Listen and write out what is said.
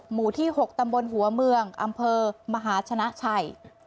หมู่ที่๖ตำบลหัวเมืองอมหาชนะไช